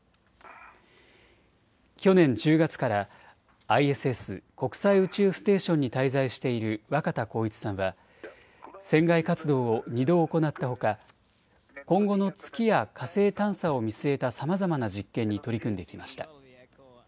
去年１０月からＩＳＳ・国際宇宙ステーションに滞在している若田光一さんは船外活動を２度行ったほか、今後の月や火星探査を見据えたさまざまな実験に取り組んできました。